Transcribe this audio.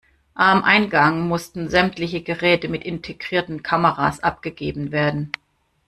Am Eingang mussten sämtliche Geräte mit integrierten Kameras abgegeben werden.